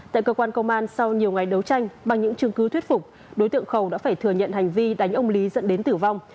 tại cơ quan công an sau nhiều ngày đấu tranh bằng những chứng cứ thuyết phục đối tượng khẩu đã phải thừa nhận hành vi đánh ông lý dẫn đến tử vong